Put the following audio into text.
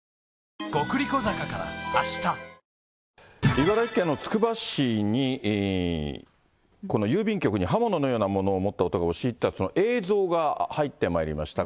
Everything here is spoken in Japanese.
茨城県のつくば市に、この郵便局に刃物のようなものを持った男が押し入った、その映像が入ってまいりました。